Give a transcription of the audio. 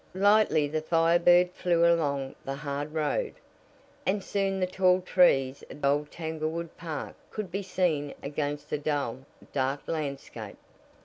Lightly the Fire Bird flew along the hard road, and soon the tall trees of old Tanglewood Park could be seen against the dull, dark landscape.